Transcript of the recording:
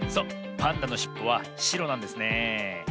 パンダのしっぽはしろなんですねえ。